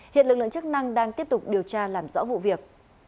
hiện lực lượng chức năng đang tiếp tục điều tra làm rõ vụ việc